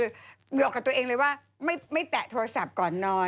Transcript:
คือบอกกับตัวเองเลยว่าไม่แปะโทรศัพท์ก่อนนอน